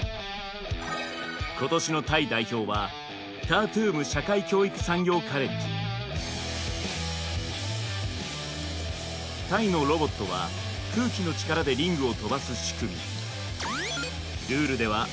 今年のタイ代表はタイのロボットは空気の力でリングを飛ばす仕組み。